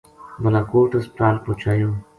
بالاکوٹ ہسپتال پوہچایو